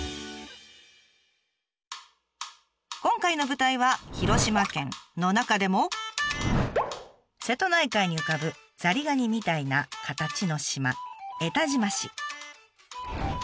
今回の舞台は広島県の中でも瀬戸内海に浮かぶザリガニみたいな形の島江田島市。